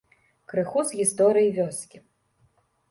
Крыху з гісторыі вёскі.